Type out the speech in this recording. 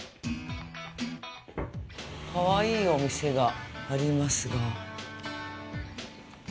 かわいいお店がありますが。